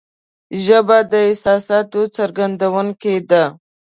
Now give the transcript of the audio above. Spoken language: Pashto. ژبه د احساساتو څرګندونکې ده